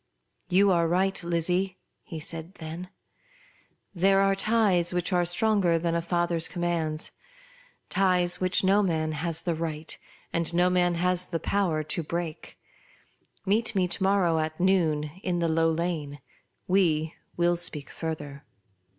'• You are right, Lizzie," he then said ;" there are ties which are stronger than a father's commands ; ties which no man has the right, and no man has the power to break. Meet me to morrow at noon in the Low Lane ; we will speak further."